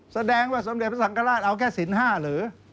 แสดงว่าสมเด็จพระสังกราชเอาแค่ศิลป์๕หรือ